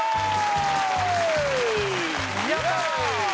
やったー